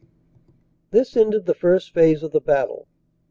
"This ended the First Phase of the battle.